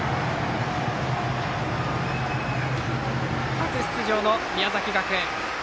初出場の宮崎学園。